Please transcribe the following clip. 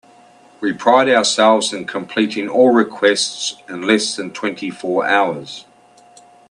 We pride ourselves in completing all requests in less than twenty four hours.